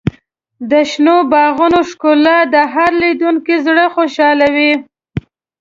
د شنو باغونو ښکلا د هر لیدونکي زړه خوشحالوي.